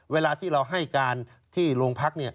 เวลาที่เราให้การที่โรงพัก